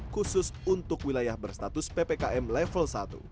khusus untuk wilayah berstatus ppkm level satu